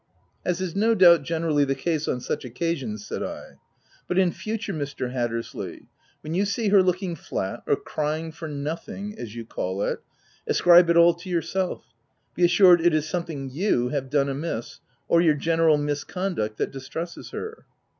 " As is no doubt generally the case on such occasions," said I. u But in future, Mr. Hat tersley, when you see her looking flat or crying for c nothing ' (as you call it,) ascribe it all to yourself: be assured it is something you have done amisSj or your general misconduct that distresses her."